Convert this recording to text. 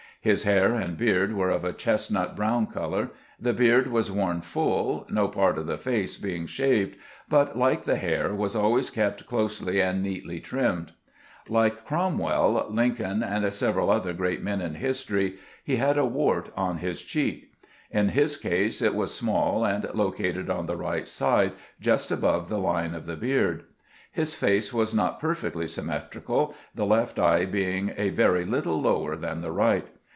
His hair and beard were of a chestnut brown color. The beard was worn fuU, no part of the face being shaved, but, like the hair, was always kept closely and neatly trimmed. Like Crom geant's personal appeaeanoe 15 well, Lincoln, and several other great men in history, he had a wart on his cheek. In his case it was small, and located on the right side just above the line of the beard. His face was not perfectly symmetrical, the left eye being a very little lower than the right.